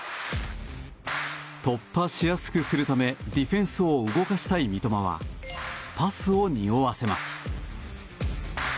突破しやすくするためディフェンスを動かしたい三笘はパスをにおわせます。